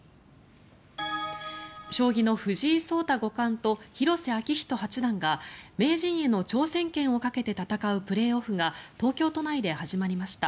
将棋の藤井聡太五冠と広瀬章人八段が名人への挑戦権をかけて戦うプレーオフが東京都内で始まりました。